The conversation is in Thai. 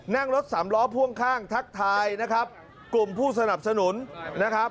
นั่งรถสามล้อพ่วงข้างทักทายกลุ่มผู้สนับสนุน